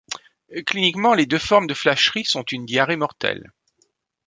Cliniquement, les deux formes de flacherie sont une diarrhée mortelle.